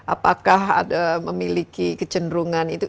apakah ada memiliki kecenderungan